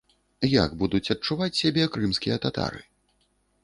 Як будуць адчуваць сябе крымскія татары?